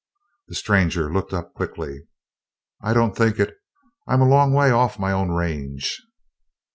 The stranger looked up quickly. "I don't think it. I'm a long way off my own range."